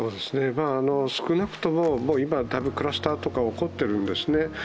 少なくとも今、だいぶクラスターとか起こっているんですね。